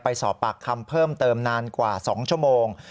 ไปสอบปากคำเพิ่มเติมนานกว่า๒ชั่วโมง